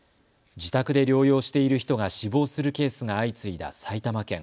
自宅で療養している人が死亡するケースが相次いだ埼玉県。